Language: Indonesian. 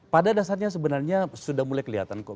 pada dasarnya sebenarnya sudah mulai kelihatan kok